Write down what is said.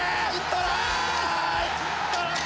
トライ！